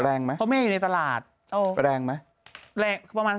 แรงไหมเพราะแม่อยู่ในตลาดโอ้แรงไหมแรงประมาณ